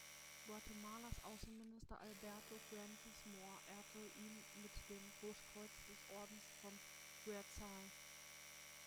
Guatemalas Außenminister Alberto Fuentes Mohr ehrte ihn mit dem Großkreuz des Ordens vom Quetzal.